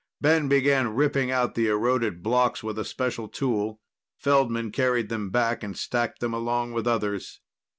Ben began ripping out the eroded blocks with a special tool. Feldman carried them back and stacked them along with others.